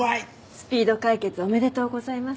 スピード解決おめでとうございます。